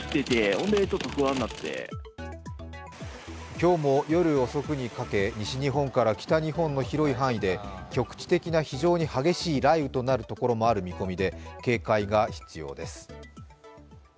今日も夜遅くにかけ西日本から北日本の広い範囲で局地的な非常に激しい雷雨となる所もある見込みで、警戒が必要です